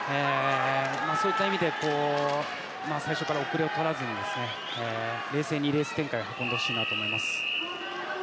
そういった意味で最初から後れを取らずに冷静にレース展開を運んでほしいと思います。